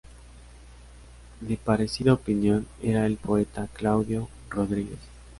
De parecida opinión era el poeta Claudio Rodríguez.